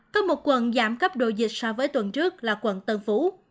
có một quận giảm cấp độ dịch so với tuần trước là quận tân phú